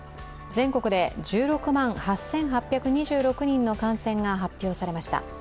全国で１６万８８２６人の感染が発表されました。